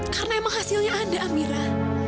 karena emang hasilnya ada amira